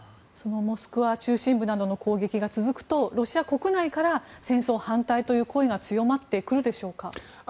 モスクワ中心部などへの攻撃が続くとロシア国内から戦争反対という声が強まってくるでしょうか。